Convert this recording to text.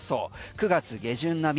９月下旬並み。